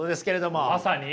まさに？